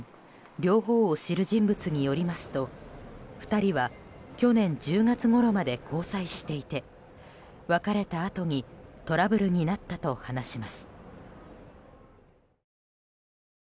両方を知る人物によりますと２人は去年１０月ごろまで交際していて別れたあとにトラブルになったと話します。